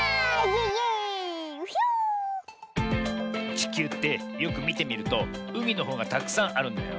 ちきゅうってよくみてみるとうみのほうがたくさんあるんだよ。